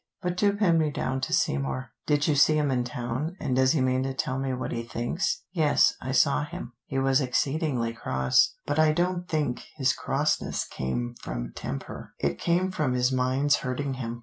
But do pin me down to Seymour. Did you see him in town, and does he mean to tell me what he thinks?" "Yes, I saw him. He was exceedingly cross, but I don't think his crossness came from temper; it came from his mind's hurting him.